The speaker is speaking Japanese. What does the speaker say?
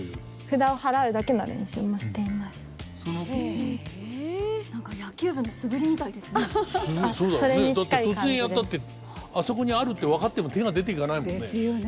だって突然やったってあそこにあるって分かっても手が出ていかないもんね。